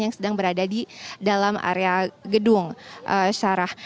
yang sedang berada di dalam area gedung syarah